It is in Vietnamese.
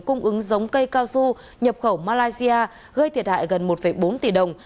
cung ứng giống cây cao su nhập khẩu malaysia gây thiệt hại gần một bốn tỷ đồng